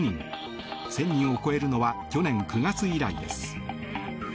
１０００人を超えるのは去年９月以来です。